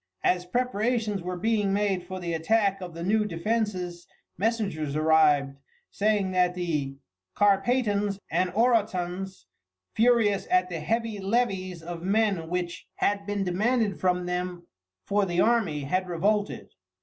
As preparations were being made for the attack of the new defences messengers arrived saying that the Carpatans and Orotans, furious at the heavy levies of men which had been demanded from them for the army, had revolted.